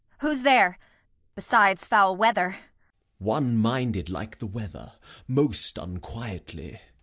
Who's there, besides foul weather? Gent. One minded like the weather, most unquietly.